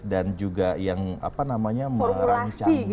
dan juga yang apa namanya merancang